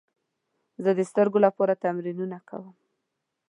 زه د سترګو لپاره تمرینونه کوم.